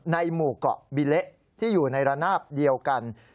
หมู่เกาะบิเละที่อยู่ในระนาบเดียวกัน